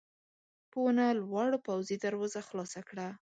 په ونه لوړ پوځي دروازه خلاصه کړه.